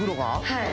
はい。